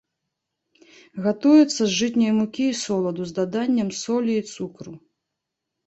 Гатуецца з жытняй мукі і соладу з даданнем солі і цукру.